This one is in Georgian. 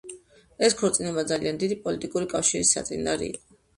ეს ქორწინება ძალიან დიდი პოლიტიკური კავშირის საწინდარი იყო.